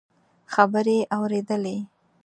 خبرې اورېدلې.